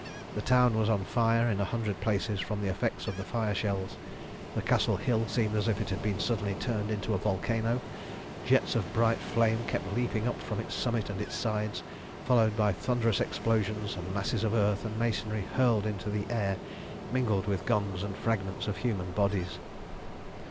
The town was on fire in a hundred places from the effects of the fire shells. The Castle hill seemed as if it had been suddenly turned into a volcano; jets of bright flame kept leaping up from its summit and sides, followed by thunderous explosions and masses of earth and masonry hurled into the air, mingled with guns and fragments of human bodies.